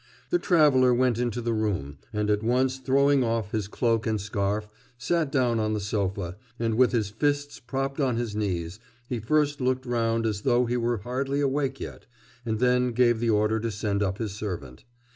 The traveller went into the room and at once throwing off his cloak and scarf, sat down on the sofa, and with his fists propped on his knees, he first looked round as though he were hardly awake yet, and then gave the order to send up his servant.